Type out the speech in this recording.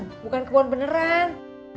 bukan kebun beneran